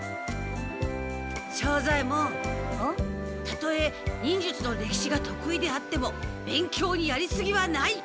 たとえ忍術のれきしが得意であっても勉強にやりすぎはない！